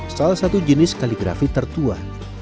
salah satu jenis kaligrafi tertua